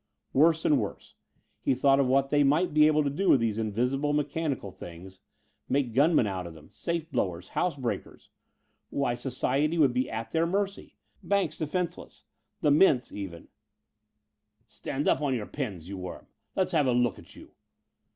Worse and worse. He thought of what they might be able to do with these invisible mechanical things: make gunmen out of them; safe blowers; house breakers. Why, society would be at their mercy; banks defenceless; the mints, even "Stand up on your pins, you worm! Let's have a look at you!"